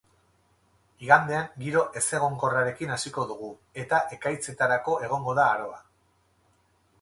Igandea giro ezegonkorrarekin hasiko dugu, eta ekaitzetarako egongo da aroa.